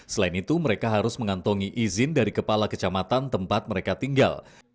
selain itu mereka harus mengantongi izin dari kepala kecamatan tempat mereka tinggal